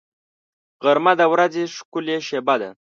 غرمه د ورځې ښکلې شېبه ده